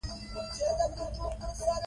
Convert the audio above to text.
نورو ته هغه څه ور زده کړئ چې تاسو یې زده کوئ.